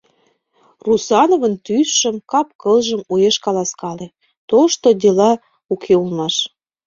— Русановын тӱсшым, кап-кылжым уэш каласкале, тошто дела уке улмаш.